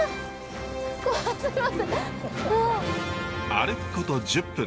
歩くこと１０分。